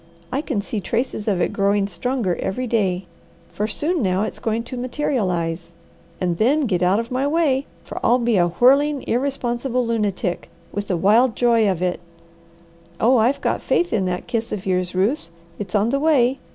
I can see traces of it growing stronger every day. Very soon now it's going to materialize, and then get out of my way, for I'll be a whirling, irresponsible lunatic, with the wild joy of it. Oh I've got faith in that kiss of yours, Ruth! It's on the way.